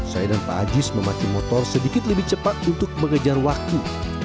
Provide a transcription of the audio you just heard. saya dan pak aziz memancing motor sedikit lebih cepat untuk mengejar waktu